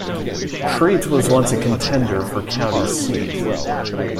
Crete was once a contender for county seat.